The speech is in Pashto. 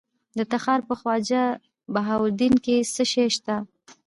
د تخار په خواجه بهاوالدین کې څه شی شته؟